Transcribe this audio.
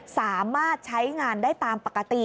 สามารถใช้งานได้ตามปกติ